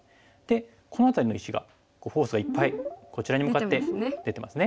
この辺りの石がフォースがいっぱいこちらに向かって出てますね。